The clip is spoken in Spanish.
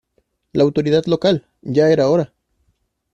La autoridad local. Ya era hora .